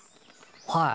はい。